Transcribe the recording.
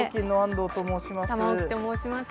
玉置と申します。